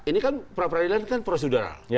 ini kan pra peradilan kan prosedural